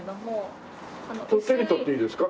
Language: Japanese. これ手に取っていいですか？